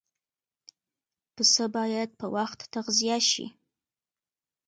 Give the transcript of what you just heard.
پسه باید په وخت تغذیه شي.